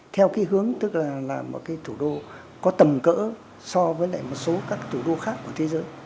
theo hướng tức là một thủ đô có tầm cỡ so với một số các thủ đô khác của thế giới